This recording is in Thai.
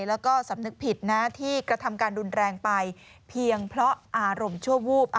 แล้วก็สำนึกผิดนะที่กระทำการรุนแรงไปเพียงเพราะอารมณ์ชั่ววูบ